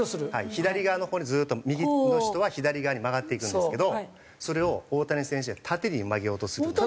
左側のほうにずっと右利きの人は左側に曲がっていくんですけどそれを大谷選手は縦に曲げようとするのと。